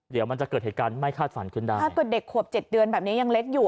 เดี๋ยวมันจะเกิดเหตุการณ์ไม่คาดฝันขึ้นได้ถ้าเกิดเด็กขวบเจ็ดเดือนแบบนี้ยังเล็กอยู่